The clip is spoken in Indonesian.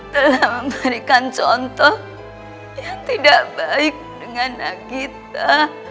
telah memberikan contoh yang tidak baik dengan kita